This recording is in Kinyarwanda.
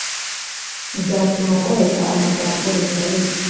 Ntibyatuma ngoheka amagambo bikabije